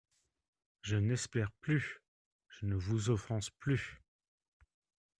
Je n’espère plus … je ne vous offense plus.